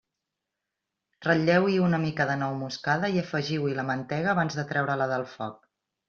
Ratlleu-hi una mica de nou moscada i afegiu-hi la mantega abans de treure-la del foc.